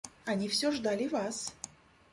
Они всё ждали вас.